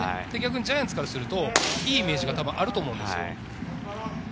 ジャイアンツからするといいイメージがあると思うんです。